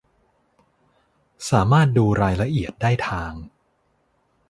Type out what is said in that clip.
สามารถดูรายละเอียดได้ทาง